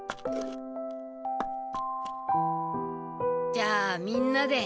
じゃあみんなで。